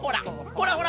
ほら！